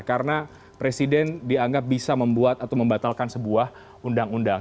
karena presiden dianggap bisa membuat atau membatalkan sebuah undang undang